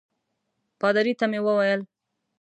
پادري ته مې وویل.